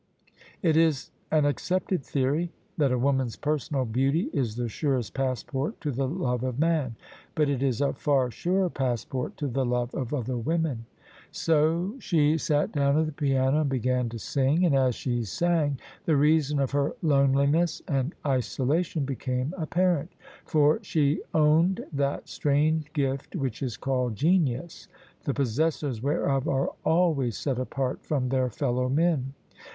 It is an accepted theory that a woman's personal beauty is the surest passport to the love of man: but it is a far surer passport to the love of other women. So she sat down at the piano and began to sing: and as she sang, the reason of her loneliness and isolation became apparent: for she owned that strange gift which is called genius, the possessors whereof are always set apart from their fellow men.